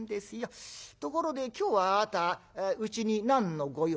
ところで今日はあなたうちに何の御用？